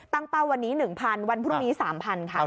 เป้าวันนี้๑๐๐วันพรุ่งนี้๓๐๐ค่ะ